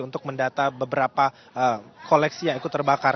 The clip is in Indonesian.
untuk mendata beberapa koleksi yang ikut terbakar